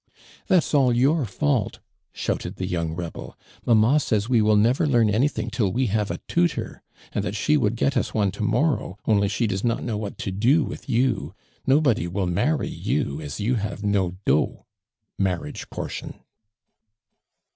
"That's all your fault!'' shouted the young rebel. " Mamma says we will never learn anything till we have a tutor, and that Hhe would get us one to morrow, only f*he does not know what to do with you. No body will marry you as you have no dot " (marriage portion).